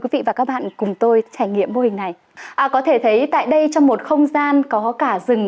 quý vị và các bạn cùng tôi trải nghiệm mô hình này có thể thấy tại đây trong một không gian có cả rừng